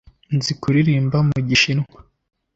Nzi kuririmba mu gishinwa